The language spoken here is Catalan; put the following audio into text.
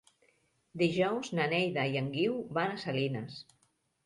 Dijous na Neida i en Guiu van a Salines.